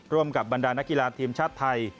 ร่วมกับบรรดานักกีฬาทีมชาติไทย